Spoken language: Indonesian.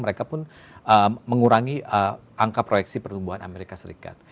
mereka pun mengurangi angka proyeksi pertumbuhan amerika serikat